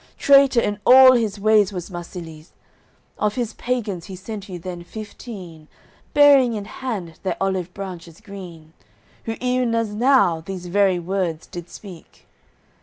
Traitor in all his ways was Marsilies; Of his pagans he sent you then fifteen, Bearing in hand their olive branches green: Who, ev'n as now, these very words did speak.